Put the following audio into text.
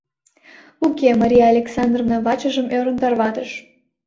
— Уке, — Мария Александровна вачыжым ӧрын тарватыш.